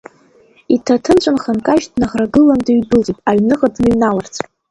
Иҭаҭын цәынха нкажь днаӷрагылан, дыҩдәылҵит, аҩныҟа дныҩналарц.